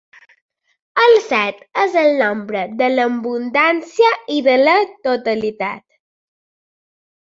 El set és el nombre de l'abundància i de la totalitat.